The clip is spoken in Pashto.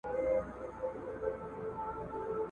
نه پسرلی نه مو ګېډۍ نه مو باغوان ولیدی ,